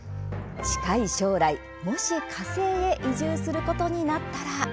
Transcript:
近い将来、もし火星へ移住することになったら。